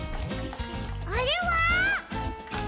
あれは？